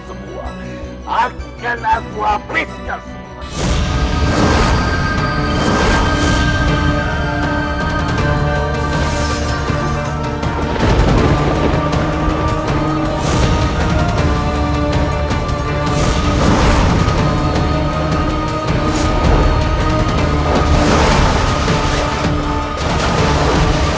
aduh aduh aduh